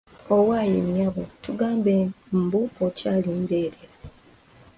Owaaye nnyabo, tugambe mbu okyali mbeerera?